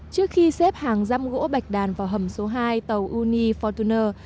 trước khi xếp hàng giam gỗ bạch đàn vào hầm số hai tàu unifortuner